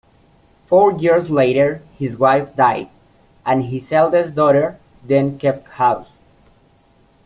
Four years later, his wife died, and his eldest daughter then kept house.